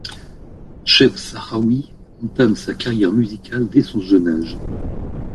Cheb Sahraoui entame sa carrière musicale dès son jeune âge.